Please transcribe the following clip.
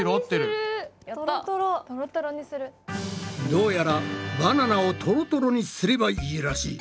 どうやらバナナをトロトロにすればいいらしい。